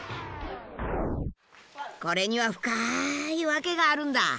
これには深いワケがあるんだ。